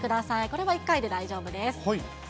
これは１回で大丈夫です。